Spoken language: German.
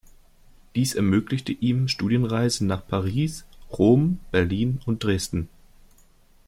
Dies ermöglichte ihm Studienreisen nach Paris, Rom, Berlin und Dresden.